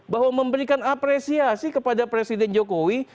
bahwa memberikan apresiasi kepada presiden jokowi